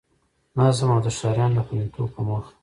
نظم او د ښاريانو د خوندیتوب په موخه